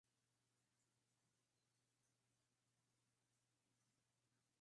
Ellos respondieron: "La señora Thomas" y señalaron a Webster.